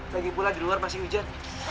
lagi pula di luar masih hujan